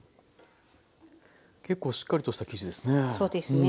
結構しっかりとした生地ですね。